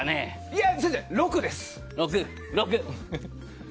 いや先生、６です。